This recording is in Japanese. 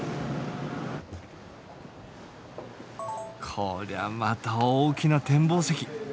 こりゃまた大きな展望席。